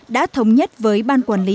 đã thống nhất với ban quản lý